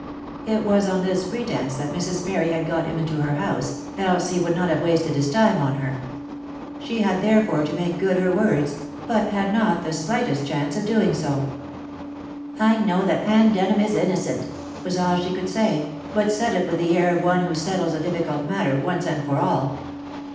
It was on this pretence that Mrs. Parry had got him into her house, else he would not have wasted his time on her. She had therefore to make good her words, but had not the slightest chance of doing so. "I know that Anne Denham is innocent," was all that she could say, but said it with the air of one who settles a difficult matter once and for all.